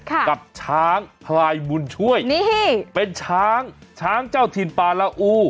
กับช้างพลายบุญช่วยนี่เป็นช้างช้างเจ้าถิ่นปลาละอู